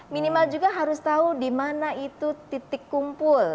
minimal juga harus tahu di mana itu titik kumpul